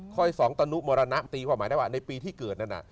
สองตนุมรณะตีความหมายได้ว่าในปีที่เกิดนั่นน่ะ